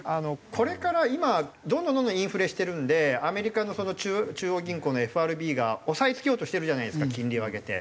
これから今どんどんどんどんインフレしてるのでアメリカの中央銀行のＦＲＢが抑えつけようとしてるじゃないですか金利を上げて。